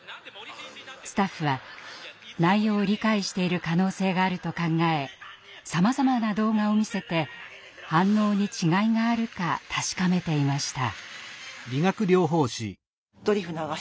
スタッフは内容を理解している可能性があると考えさまざまな動画を見せて反応に違いがあるか確かめていました。